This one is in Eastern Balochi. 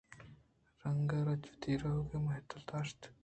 رنگ رَجءَوتی رئوگ مہتل داشت